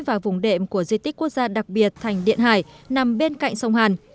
và vùng đệm của di tích quốc gia đặc biệt thành điện hải nằm bên cạnh sông hàn